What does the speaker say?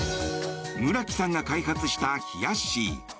村木さんが開発したひやっしー。